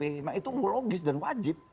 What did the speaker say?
emang itu logis dan wajib